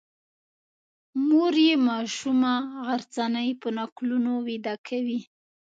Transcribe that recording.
مور یې ماشومه غرڅنۍ په نکلونو ویده کوي.